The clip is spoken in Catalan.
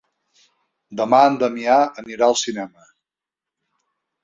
Demà en Damià anirà al cinema.